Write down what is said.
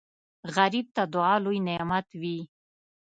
غریب ته دعا لوی نعمت وي